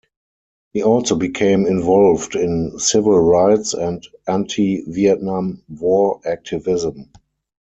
He also became involved in civil-rights and anti-Vietnam War activism.